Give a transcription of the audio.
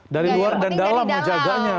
dari luar dan dalam menjaganya